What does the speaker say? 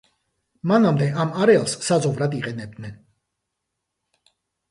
მანამდე, ამ არეალს საძოვრად იყენებდნენ.